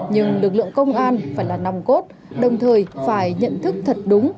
nhưng lực lượng công an phải là nòng cốt đồng thời phải nhận thức thật đúng